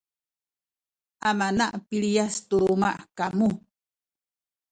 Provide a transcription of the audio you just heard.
amana piliyas tu luma’ kamu